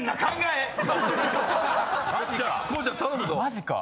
マジか⁉